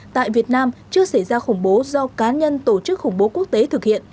tại việt nam chưa xảy ra khủng bố do cá nhân tổ chức khủng bố quốc tế thực hiện